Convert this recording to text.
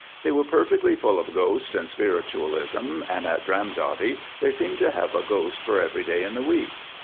They were perfectly full of ghosts and spiritualism, and at Dramdotty they seemed to have a ghost for every day in the week.